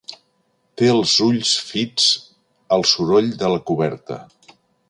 Té els ulls fits al «Soroll» de la coberta.